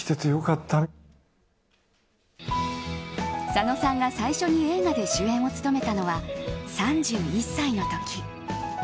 佐野さんが最初に映画で主演を務めたのは３１歳の時。